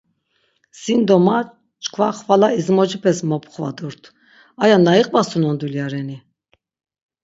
Sin do ma çkva xvala izmocepes mopxvadurt, aya na iqvasunon dulya reni?